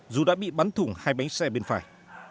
dù đã bị bắn thủng hai bánh xe bên phải